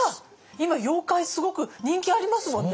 今妖怪すごく人気ありますもんね。